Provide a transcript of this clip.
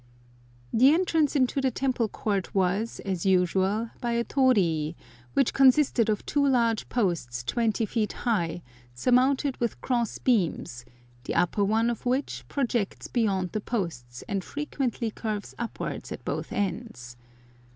The entrance into the temple court was, as usual, by a torii, which consisted of two large posts 20 feet high, surmounted with cross beams, the upper one of which projects beyond the posts and frequently curves upwards at both ends.